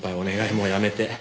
もうやめて。